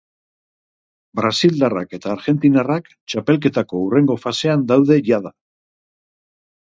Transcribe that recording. Brasildarrak eta argentinarrak txapelketako hurrengo fasean daude jada.